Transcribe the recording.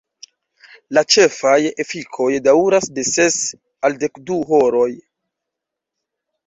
La ĉefaj efikoj daŭras de ses al dekdu horoj.